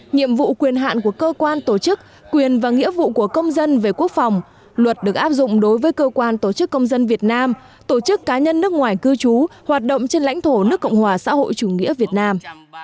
nhiệm vụ quyền hạn của cơ quan tổ chức quyền và nghĩa vụ của công dân về quốc phòng luật được áp dụng đối với cơ quan tổ chức công dân việt nam tổ chức cá nhân nước ngoài cư trú hoạt động trên lãnh thổ nước cộng hòa xã hội chủ nghĩa việt nam